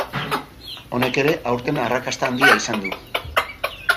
Honek ere aurten arrakasta handia izan du.